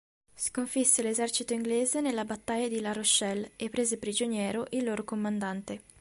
Sconfisse l'esercito inglese nella battaglia di La Rochelle e prese prigioniero il loro comandante.